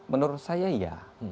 menurut saya iya